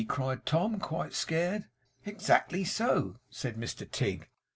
cried Tom quite scared. 'Exactly so,' said Mr Tigg.